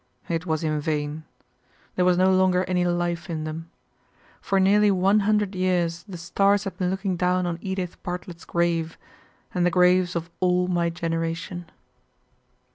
It was in vain. There was no longer any life in them. For nearly one hundred years the stars had been looking down on Edith Bartlett's grave, and the graves of all my generation.